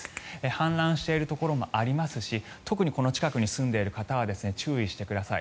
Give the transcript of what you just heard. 氾濫しているところもありますし特に近くに住んでいる方は注意してください。